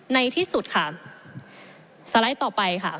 ในที่สุดค่ะสไลด์ต่อไปค่ะ